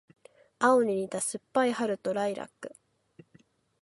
青に似た酸っぱい春とライラック